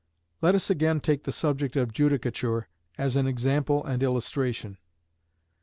Let us again take the subject of judicature as an example and illustration.